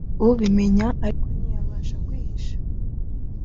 ubimenya ariko ntiyabasha kwihisha